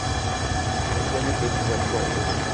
No puedo precisar cuántas.